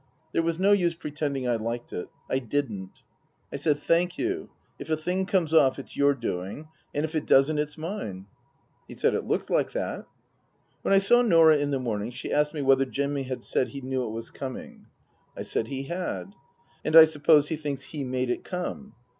There was no use pretending I liked it. I didn't. I said, " Thank you. If a thing comes off it's your doing, and if it doesn't it's mine." He said it looked like that. When I saw Norah in the morning she asked me whether Jimmy had said he knew it was coming ? I said he had. " And I suppose he thinks he made it come